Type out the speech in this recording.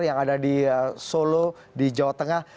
yang ada di solo di jawa tengah